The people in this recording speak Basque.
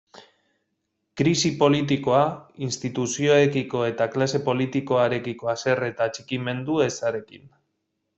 Krisi politikoa, instituzioekiko eta klase politikoarekiko haserre eta atxikimendu ezarekin.